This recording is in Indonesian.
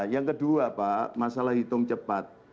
yang kedua pak masalah hitung cepat